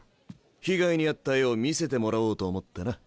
被害に遭った絵を見せてもらおうと思ってな。